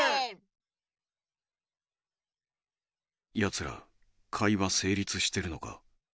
やつら会話せいりつしてるのか？